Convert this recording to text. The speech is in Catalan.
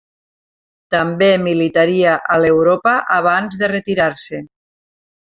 També militaria a l'Europa abans de retirar-se.